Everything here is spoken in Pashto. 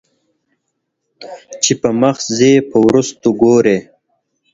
چې پۀ مخ ځې په وروستو ګورې